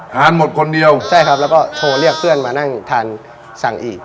ทานหมดคนเดียวใช่ครับแล้วก็โทรเรียกเพื่อนมานั่งทานสั่งอีก